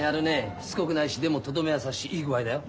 しつこくないしでもとどめは刺すしいい具合だよ。